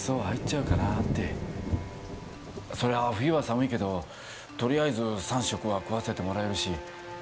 そりゃ冬は寒いけどとりあえず三食は食わせてもらえるし。